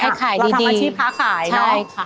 เราทำอาชีพค้าขายเนาะ